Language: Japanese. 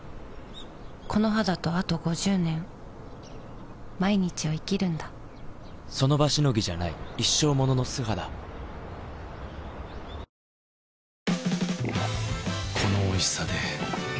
この肌とあと５０年その場しのぎじゃない一生ものの素肌このおいしさで